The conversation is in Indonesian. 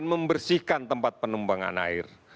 membersihkan tempat penumbangan air